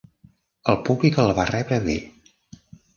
El públic el va rebre bé.